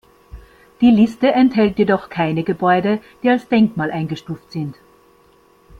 Die Liste enthält jedoch keine Gebäude, die als Denkmal eingestuft sind.